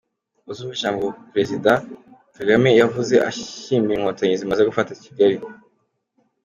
Uzumve ijyambo Prezida Kagame yavuze ashyimira inkotanyi zimaze gufata Kigali.